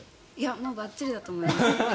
もうばっちりだと思います。